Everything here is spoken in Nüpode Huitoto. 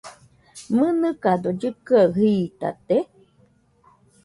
¿Mɨnɨkado llɨkɨaɨ jitate?